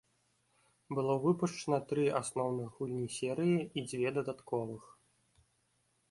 Было выпушчана тры асноўных гульні серыі і дзве дадатковых.